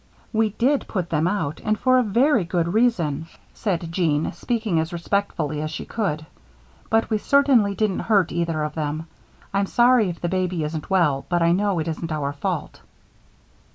"We did put them out and for a very good reason," said Jean, speaking as respectfully as she could, "but we certainly didn't hurt either of them. I'm sorry if the baby isn't well, but I know it isn't our fault."